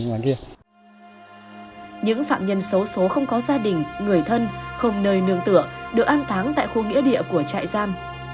những phạm nhân xấu xố không có gia đình người thân không nơi nương tựa được an táng tại khu nghĩa địa của trại giam